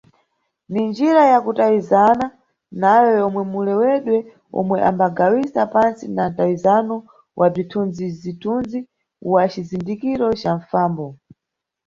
Ni njira ya kutawizana nayo yomwe mulewedwe omwe umbagawisa pantsi na mtawizano wa bzithunzi-zithuzi wa cizindikiro ca mfambo.